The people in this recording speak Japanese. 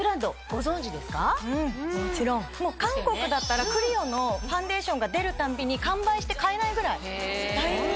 韓国だったらＣＬＩＯのファンデーションが出るたびに完売して買えないぐらい大人気。